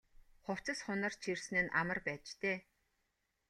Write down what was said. Хувцас хунар чирсэн нь амар байж дээ.